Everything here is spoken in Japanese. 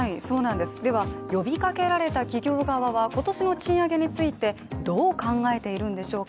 では、呼びかけられた企業側は今年の賃上げについてどう考えているんでしょうか。